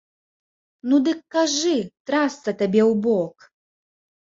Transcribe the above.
Ну дык кажы, трасца табе ў бок!